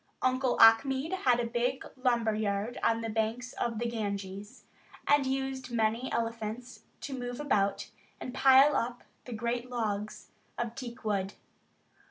Uncle Achmed had a big lumber yard on the banks of the Ganges, and used many elephants to move about and pile up the great logs of teak wood.